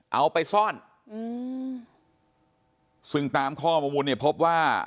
เอาไปซ่อนอืมซึ่งตามข้อมูลเนี่ยพบว่า